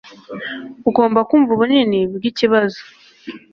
Ugomba kumva ubunini bwikibazo